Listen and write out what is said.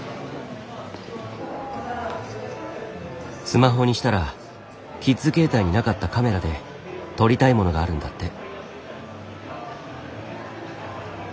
スマホにしたらキッズ携帯になかったカメラで撮りたいものがあるんだって。